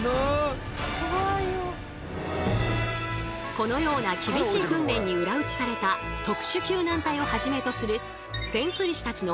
このような厳しい訓練に裏打ちされた特殊救難隊をはじめとする潜水士たちの